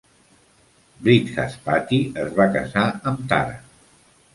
Brithaspati es va casar amb Tara.